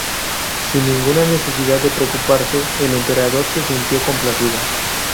Sin ninguna necesidad de preocuparse, el emperador se sintió complacido.